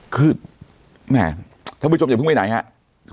คือแหมท่านผู้ชมอย่าเพิ่งไปไหนครับ